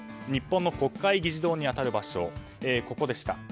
日本の国会議事堂に当たる場所でした。